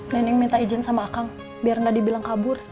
neneng minta izin sama akang biar gak dibilang kabur